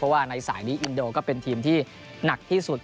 เพราะว่าในสายนี้อินโดก็เป็นทีมที่หนักที่สุด